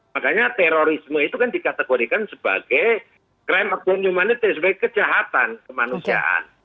makanya terorisme itu kan dikategorikan sebagai krim agonium manitra sebagai kejahatan kemanusiaan